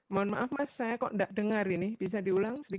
mohon maaf mas saya kok tidak dengar ini bisa diulang sedikit